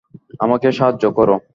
আমাকে সাহায্য করো।